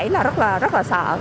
là rất là sợ